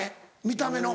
見た目の。